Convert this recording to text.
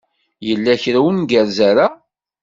Yella kra ur ngerrez ara?